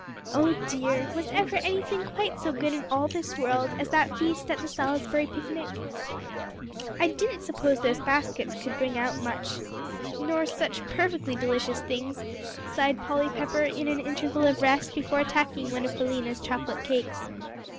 Oh dear! was ever anything quite so good in all this world as that feast at the "Salisbury picnic!" "I didn't suppose those baskets could bring out so much, nor such perfectly delicious things," sighed Polly Pepper, in an interval of rest before attacking one of Philena's chocolate cakes.